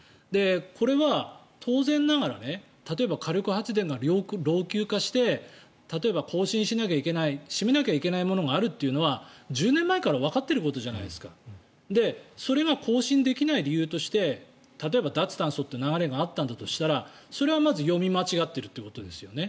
これは当然ながら例えば火力発電が老朽化して例えば、更新しなきゃいけない閉めなきゃいけないものがあるというのは１０年前からわかっていることじゃないですかそれが更新できない理由として例えば脱炭素という流れがあったんだとしたらそれはまず読み間違っているということですね。